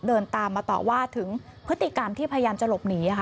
เดินตามมาต่อว่าถึงพฤติกรรมที่พยายามจะหลบหนี